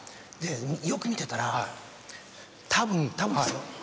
よく見てたらたぶんたぶんですよ